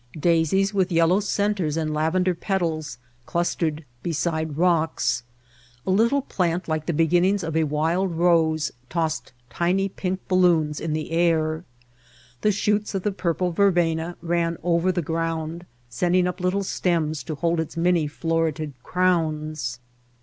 Daisies with yellow centers and lavender petals clustered beside rocks. A little plant like the beginnings of a wild rose tossed tiny pink balloons in the air. The shoots of the purple verbena ran over the ground, sending up little stems to hold its many floretted crowns.